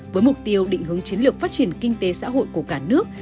với mục tiêu định hướng chiến lược phát triển kinh tế xã hội của cả nước